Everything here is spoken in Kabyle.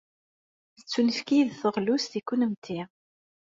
Tettunefk-iyi-d teɣlust i kennemti.